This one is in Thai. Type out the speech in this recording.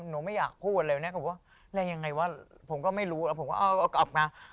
หนูไม่อยากพูดอะไรแล้วยังไงวะผมก็ไม่รู้ผมก็เอากลับมา